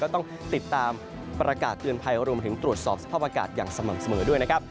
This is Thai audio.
ต้องติดตามประกาศเตือนภัยรวมถึงตรวจสอบสภาพอากาศอย่างสม่ำเสมอด้วยนะครับ